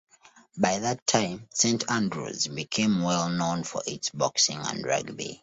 By that time, Saint Andrew's became well known for its boxing and rugby.